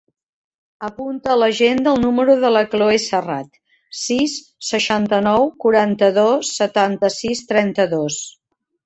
Apunta a l'agenda el número de la Chloé Serrat: sis, seixanta-nou, quaranta-dos, setanta-sis, trenta-dos.